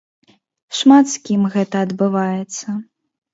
Шмат з кім гэта адбываецца.